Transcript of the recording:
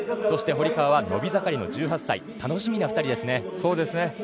そして堀川は伸び盛りの１８歳楽しみな２人ですね。